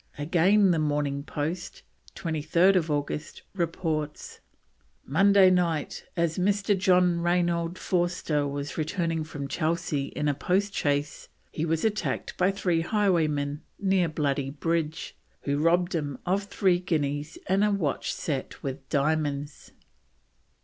Again the Morning Post, 23rd August, reports: "Monday night, as Mr. John Reynold Forster was returning from Chelsea in a post chaise, he was attacked by three highwaymen, near Bloody Bridge, who robbed him of three guineas and a watch set with diamonds."